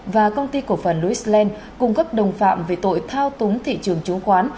và công ty cổ phần lewis land cung cấp đồng phạm về tội thao túng thị trường trúng khoán